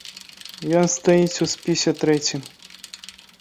Ён стаіць у спісе трэцім.